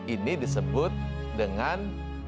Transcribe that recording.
ini disebut dengan